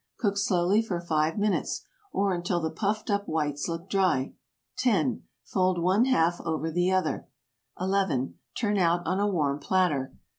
Cook slowly for 5 minutes, or until the puffed up whites look dry. 10. Fold one half over the other. 11. Turn out on a warm platter.